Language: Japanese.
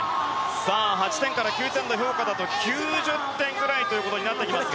８点から９点の評価だと９０点ぐらいとなりますが。